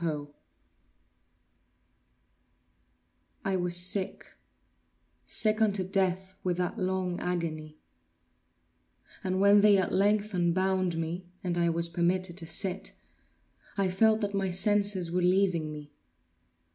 ] I was sick—sick unto death with that long agony; and when they at length unbound me, and I was permitted to sit, I felt that my senses were leaving me.